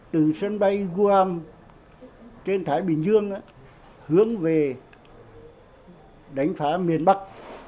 từ sân bay guam trên thái bình dương hướng về đánh phá miền bắc